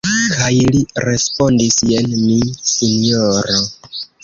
Kaj li respondis: Jen mi, Sinjoro.